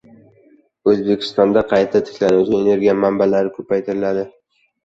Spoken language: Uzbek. O‘zbekistonda qayta tiklanuvchi energiya manbalari ko‘paytiriladi